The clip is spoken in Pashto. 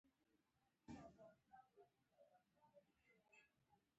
خارجي د داسې فکر زړه نه شي کولای.